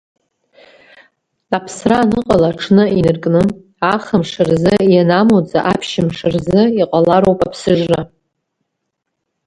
Аԥсра аныҟала аҽны инаркны ахымш рзы, ианамуӡа аԥшьымш рзы, иҟалароуп аԥсыжра.